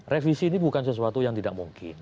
revisi ini bukan sesuatu yang tidak mungkin